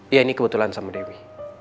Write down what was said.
ya ini kebetulan sama dewi